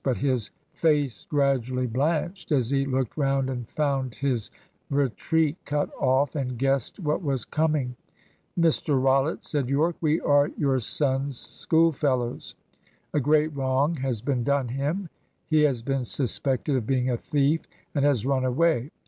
But his face gradually blanched as he looked round and found his retreat cut off, and guessed what was coming. "Mr Rollitt," said Yorke, "we are your son's schoolfellows. A great wrong has been done him. He has been suspected of being a thief, and has run away.